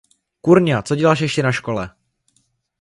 Kurňa, co děláš ještě na škole!